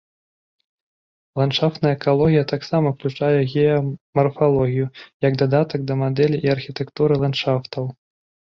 Ландшафтная экалогія таксама ўключае геамарфалогію, як дадатак да мадэлі і архітэктуры ландшафтаў.